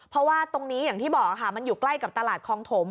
เพราะว่าตรงนี้อย่างที่บอกค่ะมันอยู่ใกล้กับตลาดคลองถม